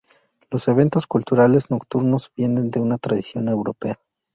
Los eventos culturales nocturnos vienen de una tradición europea.